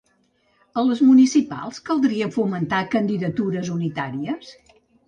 A les municipals, caldria fomentar candidatures unitàries?